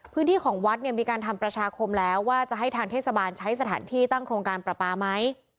พื้นที่ของวัดเนี่ยมีการทำประชาคมแล้วว่าจะให้ทางเทศบาลใช้สถานที่ตั้งโครงการประปาไหม